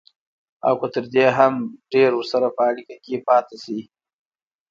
او که تر دې هم ډېر ورسره په اړيکه کې پاتې شي.